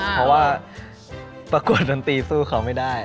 เพราะว่าประกวดดนตรีสู้เขาไม่ได้